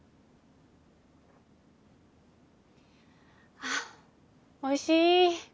あおいしい。